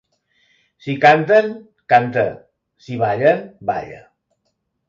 Si canten, canta; si ballen, balla.